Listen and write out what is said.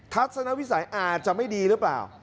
ทัศนวิสัยอาจจะไม่ดีหรือเปล่า